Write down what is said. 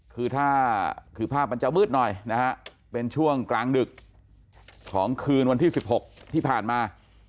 คือถ้าคือภาพมันจะมืดหน่อยนะฮะเป็นช่วงกลางดึกของคืนวันที่๑๖ที่ผ่านมา